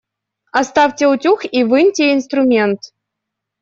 Оставьте утюг и выньте инструмент.